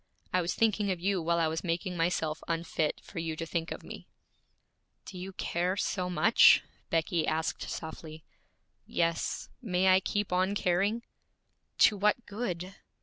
I was thinking of you while I was making myself unfit for you to think of me.' 'Do you care so much?' Becky asked softly. 'Yes. May I keep on caring?' 'To what good?'